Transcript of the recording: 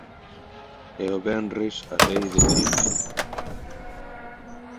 E o venres a Lei de ciencia.